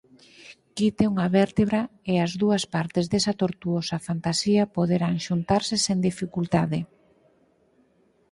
Quite unha vértebra, e as dúas partes desta tortuosa fantasía poderán xuntarse sen dificultade.